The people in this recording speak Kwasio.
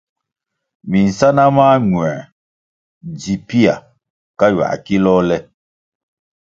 Minsáná mañuer dzi pia ka ywia kilôh le.